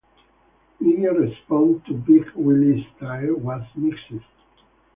Media response to "Big Willie Style" was mixed.